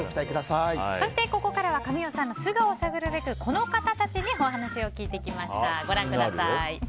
ここからは神尾さんの素顔を探るべく、この方たちにお話を聞いてきました。